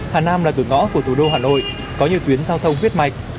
hà nam là cửa ngõ của thủ đô hà nội có nhiều tuyến giao thông huyết mạch